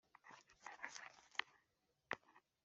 Kuvuga se ko byahumetswe n Imana